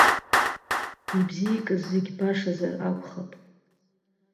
Ибзикыз зегь башазар акәхап.